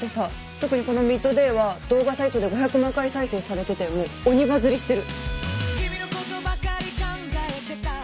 特にこの『ＭＩＤＤＡＹ』は動画サイトで５００万回再生されてて鬼バズりしてる。